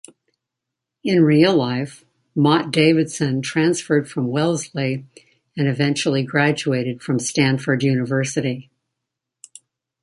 In real life, Mott Davidson transferred from Wellesley and eventually graduated from Stanford University.